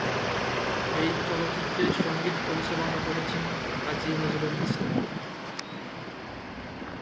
এই চলচ্চিত্রের সঙ্গীত পরিচালনা করেছেন কাজী নজরুল ইসলাম।